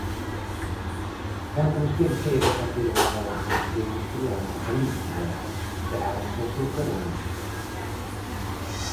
Cando vostede queira facer unha nova política industrial para Galicia, teranos ao seu carón.